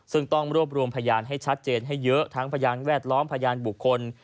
ซึ่งต้องรวบรวมพยานให้ชัดเจนให้เยอะทั้งพยานแวดล้อมพยานบุคคล